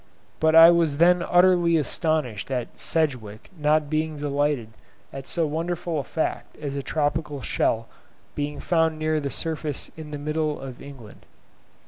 But I was then utterly astonished at Sedgwick not being delighted at so wonderful a fact as a tropical shell being found near the surface in the middle of England.